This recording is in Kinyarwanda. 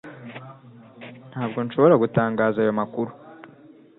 Ntabwo nshobora gutangaza ayo makuru.